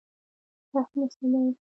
هدف مو څه دی؟